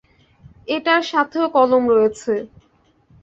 এটার সাথেও কলম রয়েছে।